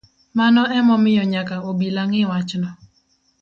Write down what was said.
Mano emomiyo nyaka obila ng’I wachno